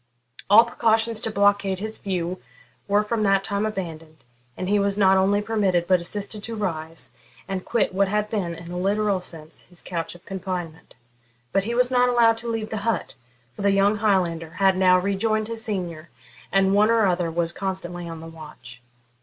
All precautions to blockade his view were from that time abandoned, and he was not only permitted but assisted to rise, and quit what had been, in a literal sense, his couch of confinement. But he was not allowed to leave the hut; for the young Highlander had now rejoined his senior, and one or other was constantly on the watch.